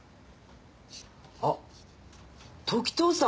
あっ時任さん！